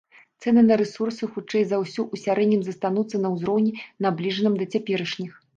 Цэны на рэсурсы, хутчэй за ўсё, у сярэднім застануцца на ўзроўні, набліжаным да цяперашніх.